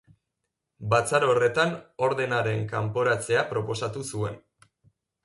Batzar horretan ordenaren kanporatzea proposatu zuen.